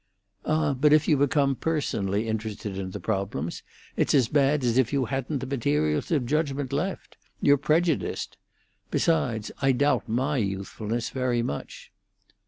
"Ah, but if you become personally interested in the problems, it's as bad as if you hadn't the materials of judgment left; you're prejudiced. Besides, I doubt my youthfulness very much."